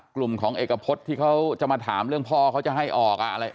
กลุ่มของเอกพฤษที่เขาจะมาถามเรื่องพ่อเขาจะให้ออกอะไร